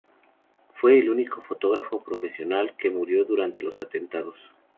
Fue el único fotógrafo profesional que murió durante los atentados.